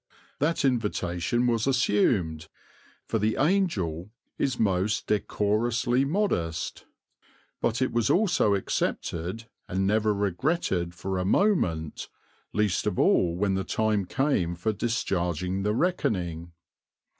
That invitation was assumed, for the "Angel" is most decorously modest, but it was also accepted and never regretted for a moment, least of all when the time came for discharging the reckoning.